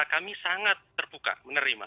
kami sangat terbuka menerima